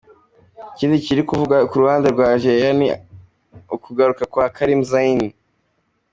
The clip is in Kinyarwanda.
Ikindi kiri kuvugwa ku ruhande rwa Algeria ni ukugaruka kwa Karim Zain.